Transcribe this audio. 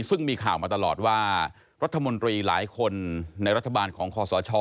ซึ่งมีข่าวมาตลอดว่ารัฐมนตรีหลายคนในรัฐบาลของคอสช